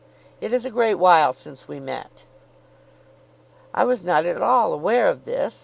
It is a great while since we met." "I was not at all aware of this.